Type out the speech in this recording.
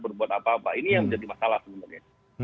berbuat apa apa ini yang menjadi masalah sebenarnya